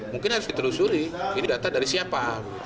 mungkin harus ditelusuri ini data dari siapa